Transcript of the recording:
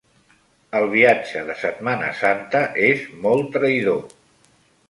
El viatge de Setmana Santa és molt traïdor.